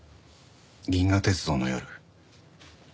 『銀河鉄道の夜』。